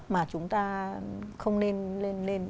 mà chúng ta không nên